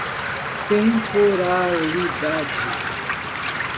temporalidade